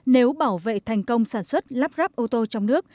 nếu bảo vệ thành công sản xuất lắp ráp ô tô trong nước